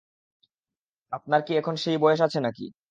আপনার কী এখন সেই বয়স আছে নাকি?